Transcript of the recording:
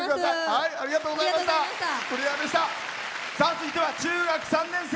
続いては、中学３年生。